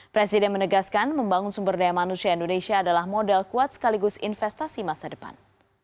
presiden menegaskan membangun sumber daya manusia indonesia adalah modal kuat sekaligus investasi masa depan